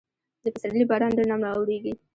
د پسرلي باران ډېر نرم اورېږي.